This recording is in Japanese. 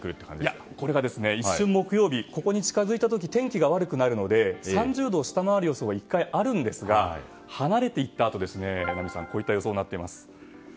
いや一瞬木曜日、近づいた時天気が悪くなるので３０度を下回る予想は１回あるんですが離れていったあとこういった予想になっています。